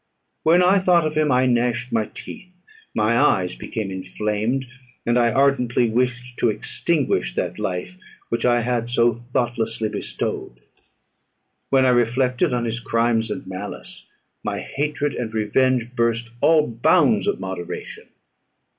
When I thought of him, I gnashed my teeth, my eyes became inflamed, and I ardently wished to extinguish that life which I had so thoughtlessly bestowed. When I reflected on his crimes and malice, my hatred and revenge burst all bounds of moderation.